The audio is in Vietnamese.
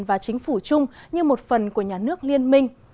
và chính phủ chung như một phần của nhà nước liên minh